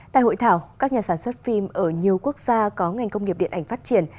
tại hội thảo các nhà sản xuất phim ở nhiều quốc gia có ngành công nghiệp điện ảnh phát triển